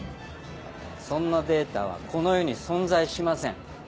そんなデータはこの世に存在しません。